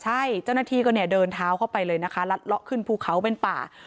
ใช่เจ้าหน้าที่ก็เนี่ยเดินเท้าเข้าไปเลยนะคะลัดเลาะขึ้นภูเขาเป็นป่า